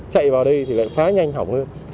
chạy vào đây thì lại phá nhanh hỏng hơn